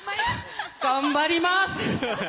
頑張ります。